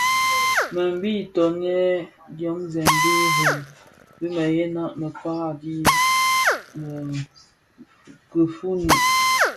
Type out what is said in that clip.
Më bi kitoňèn diomzèn di rèm bi mëyëna mëkpa dhi kifuni.